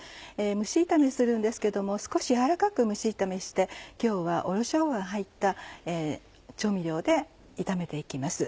蒸し炒めにするんですけど少し軟らかく蒸し炒めして今日はおろししょうがが入った調味料で炒めて行きます。